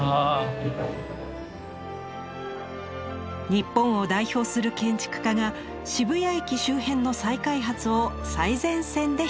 日本を代表する建築家が渋谷駅周辺の再開発を最前線で率いる。